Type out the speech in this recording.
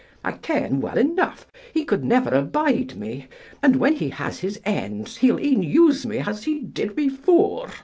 I ken well enough, he could never abide me, and when he has his ends he'll e'en use me as he did before.